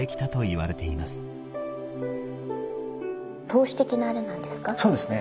透視的なあれなんですか？